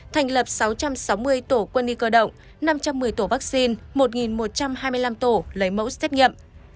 thành lập sáu trăm sáu mươi tổ quân y cơ động năm trăm một mươi tổ vaccine một một trăm hai mươi năm tổ lấy mẫu xét nghiệm